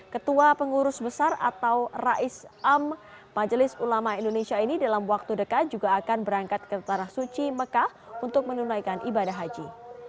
ketua pengurus besar atau rais am majelis ulama indonesia ini dalam waktu dekat juga akan berangkat ke tanah suci mekah untuk menunaikan ibadah haji